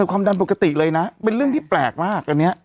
ความดันปกติเลยนะเป็นเรื่องที่แปลกมากอันนี้